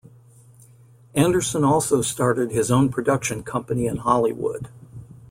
Anderson also started his own production company in Hollywood.